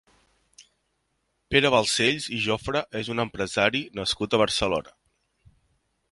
Pere Balsells i Jofre és un empresari nascut a Barcelona.